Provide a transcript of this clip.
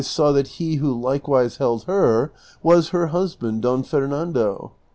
saw that he who likewise held her was her husband, Don Fernando.